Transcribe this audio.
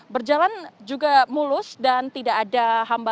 berjalan juga mulus dan tidak ada hambatan